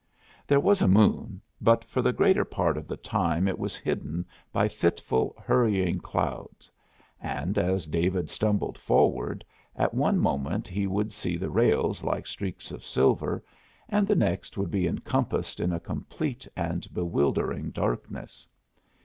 There was a moon, but for the greater part of the time it was hidden by fitful, hurrying clouds, and, as David stumbled forward, at one moment he would see the rails like streaks of silver, and the next would be encompassed in a complete and bewildering darkness.